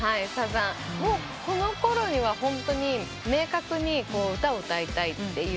もうこのころにはホントに明確に歌を歌いたいという。